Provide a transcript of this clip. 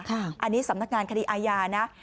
อันนี้สำนักงานคดีอาญานะ